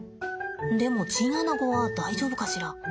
でもチンアナゴは大丈夫かしら？